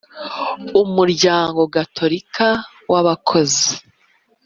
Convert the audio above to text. Umuryango Gatolika w’Abakozi.